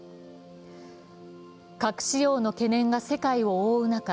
核使用の懸念が世界を覆う中